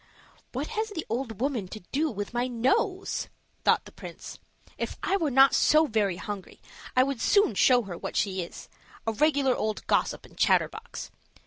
"What has the old woman to do with my nose?" thought the prince. "If I were not so very hungry, I would soon show her what she is a regular old gossip and chatterbox.